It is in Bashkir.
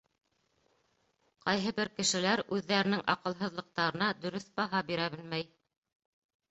Ҡайһы бер кешеләр үҙҙәренең аҡылһыҙлыҡтарына дөрөҫ баһа бирә белмәй.